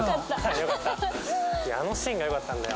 あのシーンがよかったんだよ。